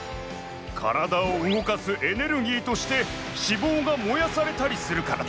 カラダをうごかすエネルギーとして脂肪がもやされたりするからだ。